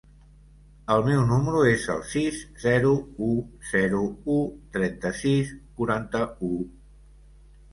El meu número es el sis, zero, u, zero, u, trenta-sis, quaranta-u.